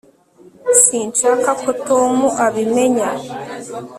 sinshaka ko tom abimenya